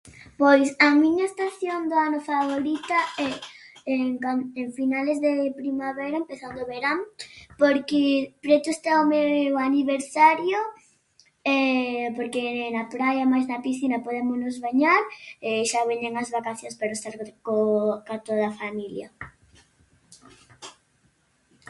Pois a miña estación do ano favorita é, en cant- en finales de primavera, empezando o verán, porque preto está o meu aniversario e porque na praia mais na piscina podémonos bañar e xa veñen as vacacións para estar co ca toda a familia.